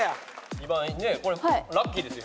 ２番これラッキーですよ。